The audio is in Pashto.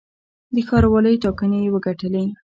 د ښاروالۍ ټاکنې یې وګټلې.